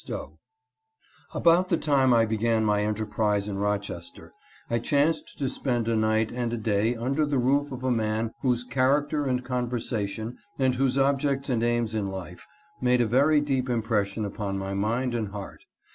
B. Stowe. ABOUT the time I began my enterprise in Rochester I chanced to spend a night and a day under the roof of a man whose character and conversation, and whose objects and aims in life, made a very deep impres sion upon my mind and heart.